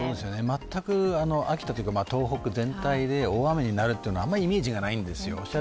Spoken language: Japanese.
全く秋田というか東北全体で大雨になるというイメージがあまりないんですよ。